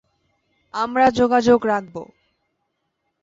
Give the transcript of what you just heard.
আমরা যোগাযোগ রাখব।